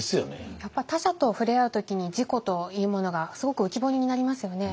やっぱり他者と触れ合う時に自己というものがすごく浮き彫りになりますよね。